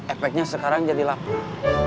efeknya sekarang jadi lapar